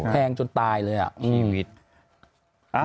แพงจนตายเลยอ่ะ